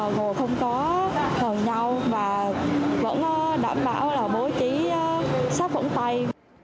ngồi không có hờn nhau và vẫn đảm bảo là bổ trí sắp vững tay